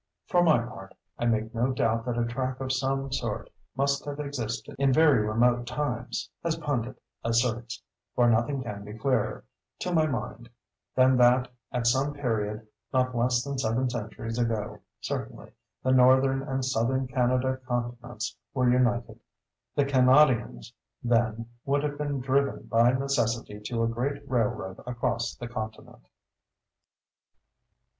For my part, I make no doubt that a track of some sort must have existed in very remote times, as Pundit asserts; for nothing can be clearer, to my mind, than that, at some period—not less than seven centuries ago, certainly—the Northern and Southern Kanadaw continents were united; the Kanawdians, then, would have been driven, by necessity, to a great railroad across the continent.